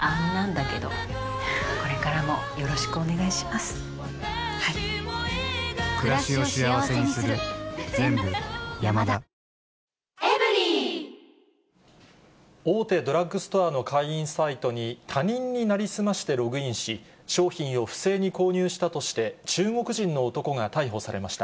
使い回しちゃってるものもあ大手ドラッグストアの会員サイトに、他人に成り済ましてログインし、商品を不正に購入したとして中国人の男が逮捕されました。